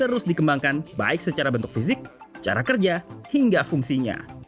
terus dikembangkan baik secara bentuk fisik cara kerja hingga fungsinya